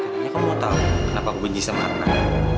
makanya kamu mau tau kenapa aku benci sama arman